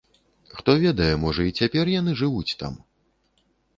Хто ведае, можа, і цяпер яны жывуць там?